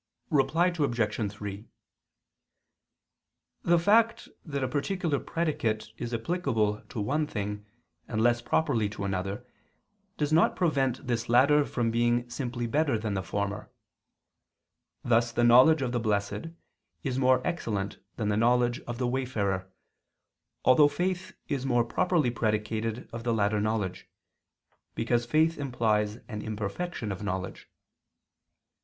Reply Obj. 3: The fact that a particular predicate is applicable to one thing and less properly to another, does not prevent this latter from being simply better than the former: thus the knowledge of the blessed is more excellent than the knowledge of the wayfarer, although faith is more properly predicated of the latter knowledge, because faith implies an imperfection of knowledge.